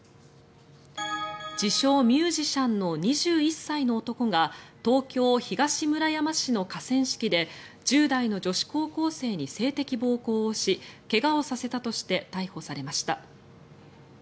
自称・ミュージシャンの２１歳の男が東京・東村山市の河川敷で１０代の女子高校生に性的暴行をし怪我をさせたとして逮捕されました。